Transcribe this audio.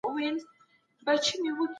اسلام د علم او رڼا لاره ده.